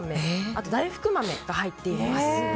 あと、大福豆が入っています。